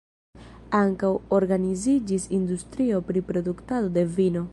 Ankaŭ organiziĝis industrio pri produktado de vino.